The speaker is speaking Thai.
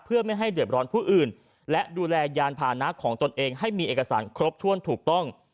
เพื่อไม่ให้เดือดร้อนผู้อื่นและดูแลยานพานะของตนเองให้มีเอกสารครบถ้วนถูกต้อง